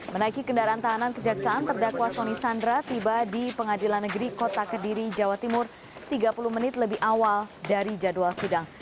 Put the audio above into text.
menaiki kendaraan tahanan kejaksaan terdakwa soni sandra tiba di pengadilan negeri kota kediri jawa timur tiga puluh menit lebih awal dari jadwal sidang